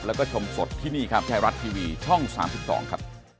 แล้วก็ชมสดที่นี่ครับไทยรัฐทีวีช่อง๓๒ครับ